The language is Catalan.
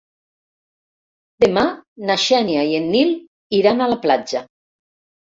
Demà na Xènia i en Nil iran a la platja.